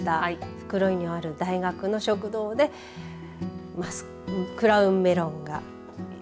袋井にある大学の食堂でクラウンメロンが。